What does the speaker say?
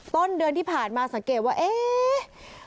ต้นเดือนที่ผ่านมาสังเกตว่าเอ๊ะ